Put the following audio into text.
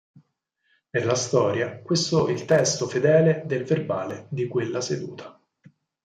Per la storia, questo il testo fedele del verbale di quella seduta.